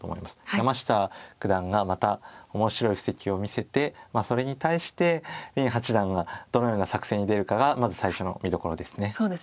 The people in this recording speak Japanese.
山下九段がまた面白い布石を見せてそれに対して林八段がどのような作戦に出るかがまず最初の見どころです。